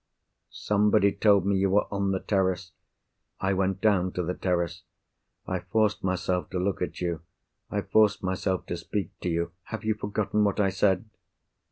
Somebody told me you were on the terrace. I went down to the terrace. I forced myself to look at you; I forced myself to speak to you. Have you forgotten what I said?"